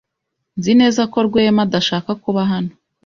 Nzi neza ko Rwema adashaka kuba hano.